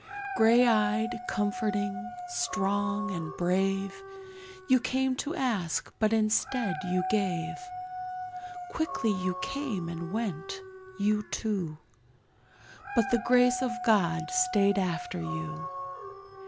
Grey eyed, comforting, strong and brave, You came to ask but instead you Quickly you came and went, you two, But the Grace of God stayed after you.